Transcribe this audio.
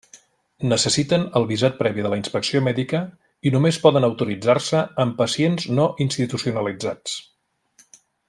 Necessiten el visat previ de la inspecció mèdica i només poden autoritzar-se en pacients no institucionalitzats.